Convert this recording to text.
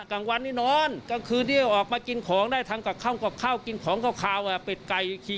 กลางวันนี้นอนกลางคืนนี้ออกมากินของได้ทั้งกับเข้ากินของคาวเป็ดไก่